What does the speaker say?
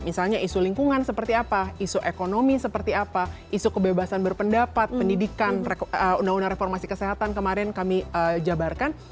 misalnya isu lingkungan seperti apa isu ekonomi seperti apa isu kebebasan berpendapat pendidikan undang undang reformasi kesehatan kemarin kami jabarkan